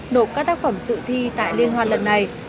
nộp các tác phẩm dự thi tại liên hoan lần này